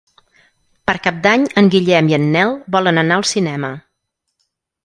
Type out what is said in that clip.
Per Cap d'Any en Guillem i en Nel volen anar al cinema.